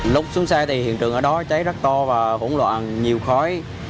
lúc xuống xe thì hiện trường ở đó cháy rất to và hỗn loạn nhiều khói